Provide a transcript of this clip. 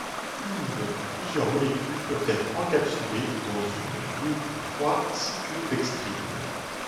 Une ou plusieurs molécules peuvent être encapsulées dans une, deux ou trois cyclodextrines.